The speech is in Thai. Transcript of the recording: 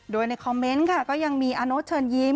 โดยในคอมเม้นต์ค่ะก็มีอานูชเชิญยิ้ม